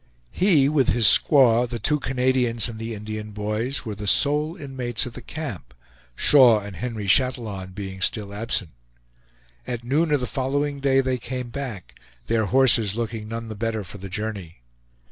He, with his squaw, the two Canadians and the Indian boys, were the sole inmates of the camp, Shaw and Henry Chatillon being still absent. At noon of the following day they came back, their horses looking none the better for the journey.